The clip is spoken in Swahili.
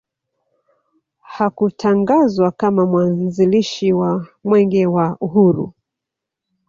Hakutangazwa kama mwanzilishi wa Mwenge wa Uhuru